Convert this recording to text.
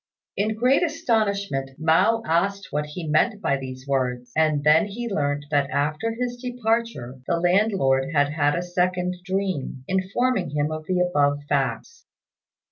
In great astonishment, Mao asked what he meant by these words; and then he learnt that after his departure the landlord had had a second dream informing him of the above facts.